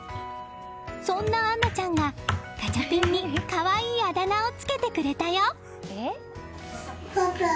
そんな杏奈ちゃんがガチャピンに可愛いあだ名をつけてくれたよ！